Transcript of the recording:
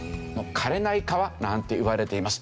「枯れない川」なんていわれています。